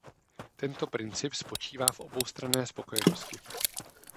Tento princip spočívá v oboustranné spokojenosti.